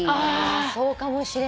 そうかもしれない。